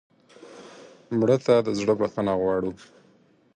مړه ته د زړه بښنه غواړو